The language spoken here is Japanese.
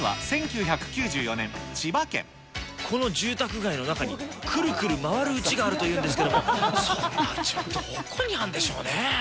この住宅街の中に、くるくる回るうちがあるというんですけれども、そんなうち、どこにあるんでしょうね。